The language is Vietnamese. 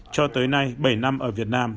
cho tới nay bảy năm ở việt nam